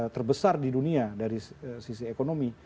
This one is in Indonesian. terbesar di dunia dari sisi ekonomi